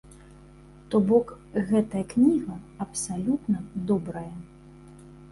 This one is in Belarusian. То бок, гэтая кніга абсалютна добрая.